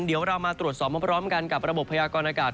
เดี๋ยวเรามาตรวจสอบพร้อมกันกับระบบพยากรณากาศ